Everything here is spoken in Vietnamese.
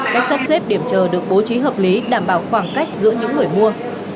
các xếp xếp điểm chờ được bố trí hợp lý đảm bảo khoảng cách giữa những người mua